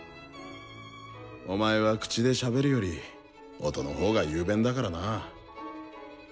お前は口でしゃべるより音のほうが雄弁だからなぁ。